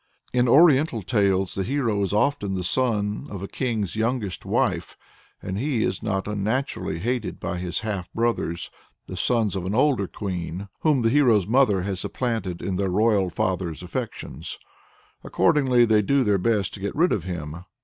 In oriental tales the hero is often the son of a king's youngest wife, and he is not unnaturally hated by his half brothers, the sons of an older queen, whom the hero's mother has supplanted in their royal father's affections. Accordingly they do their best to get rid of him.